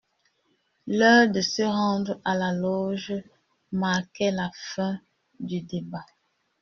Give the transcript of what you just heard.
L'heure de se rendre à la Loge marquait la fin du débat.